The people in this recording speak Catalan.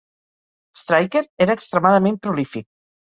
Striker era extremadament prolífic.